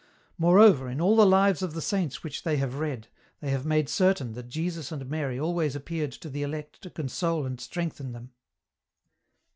*' Moreover, in all the lives of the saints which they have read, they have made certain that Jesus and Mary always appeared to the elect to console and strengthen them.